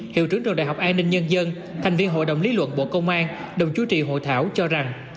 hiệu trưởng trường đại học an ninh nhân dân thành viên hội đồng lý luận bộ công an đồng chú trị hội thảo cho rằng